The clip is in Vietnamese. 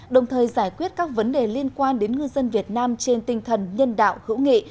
đồng thời giải quyết các vấn đề liên quan đến ngư dân việt nam trên tinh thần nhân đạo hữu nghị